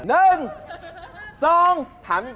หนึ่งสองถามจริง